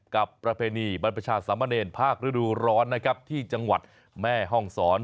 กับประเพณีบรรพชาติสามเมินภาคฤดูร้อนที่จังหวัดแม่ฮ่องศร